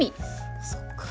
そっか。